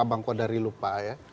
bang kodari lupa ya